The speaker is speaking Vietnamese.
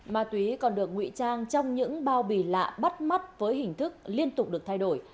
ma túy còn được nguy trang trong những bao bì lạ bắt mắt với hình thức liên tục được thay đổi